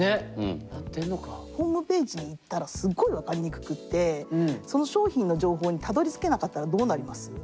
ホームページに行ったらすっごい分かりにくくってその商品の情報にたどり着けなかったらどうなります？